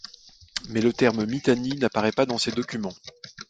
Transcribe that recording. Mais le terme Mittani n'apparaît pas dans ces documents.